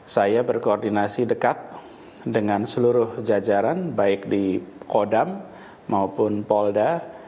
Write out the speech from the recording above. saya berkoordinasi dekat dengan seluruh jajaran baik di kodam maupun polda